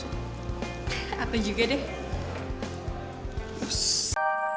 apa juga deh